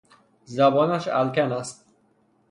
زبانش الکن است.